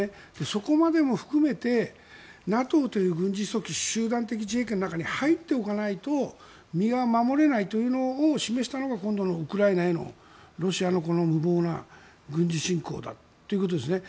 そこまでも含めてＮＡＴＯという軍事組織集団的自衛権の中に入っておかないと身が守れないというのを示したのが今度のウクライナへのロシアの無謀な軍事侵攻だということですね。